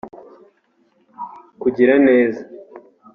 kugira neza